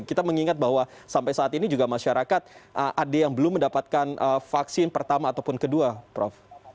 kita mengingat bahwa sampai saat ini juga masyarakat ada yang belum mendapatkan vaksin pertama ataupun kedua prof